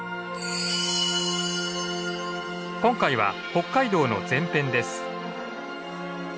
今回は北海道の前編です。